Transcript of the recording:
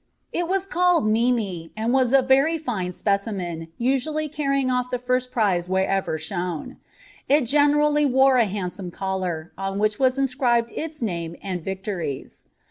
It was called Mimie, and was a very fine specimen, usually carrying off the first prize wherever shown. It generally wore a handsome collar, on which was inscribed its name and victories.